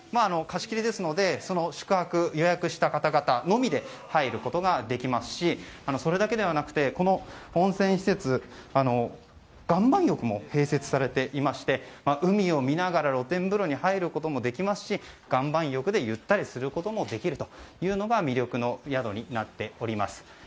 貸し切りですので宿泊予約した方々のみで入ることができますしそれだけではなくてこの温泉施設、岩盤浴も併設されていまして海を見ながら露天風呂に入ることもできますし岩盤浴でゆったりすることもできるというのが魅力の宿になっております。